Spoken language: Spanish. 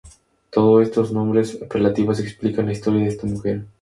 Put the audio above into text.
Todo de estos nombres apelativos explican la historia de esta mujer.